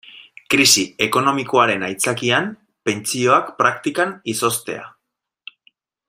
Krisi ekonomikoaren aitzakian pentsioak praktikan izoztea.